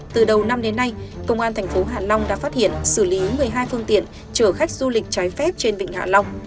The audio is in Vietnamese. từ đầu năm đến nay công an thành phố hạ long đã phát hiện xử lý một mươi hai phương tiện chở khách du lịch trái phép trên vịnh hạ long